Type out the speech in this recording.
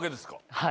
はい。